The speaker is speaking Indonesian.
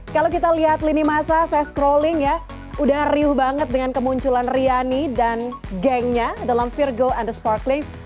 kalau kita lihat lini masa saya scrolling ya udah riuh banget dengan kemunculan riani dan gengnya dalam virgo and the sparklings